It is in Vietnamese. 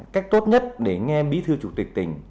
cách tốt nhất để nghe bí thư chủ tịch tỉnh